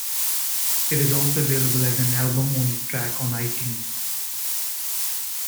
It is also available as an album-only track on iTunes.